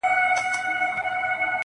اوس به څوك د ارغسان پر څپو ګرځي!!